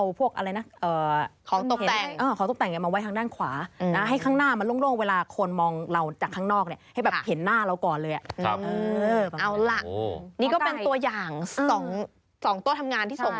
๒ตัวทำงานที่ส่งมาฝากเราน่ะคะ